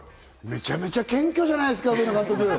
めちゃめちゃ謙虚じゃないですか、上野監督！